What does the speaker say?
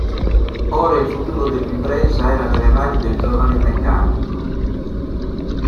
Ora il futuro dell'impresa era nelle mani del giovane meccanico.